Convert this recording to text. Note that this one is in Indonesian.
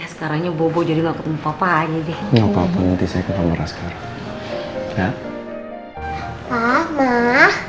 sekarangnya bobo jadi ketemu papa aja deh